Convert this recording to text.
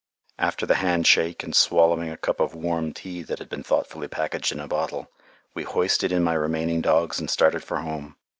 After the hand shake and swallowing a cup of warm tea that had been thoughtfully packed in a bottle, we hoisted in my remaining dogs and started for home.